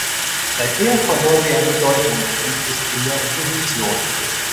Seither verlor sie an Bedeutung und ist in der Opposition.